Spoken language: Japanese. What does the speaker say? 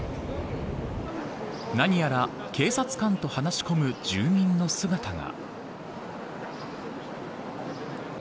何やら警察官と話し込む住民の姿が。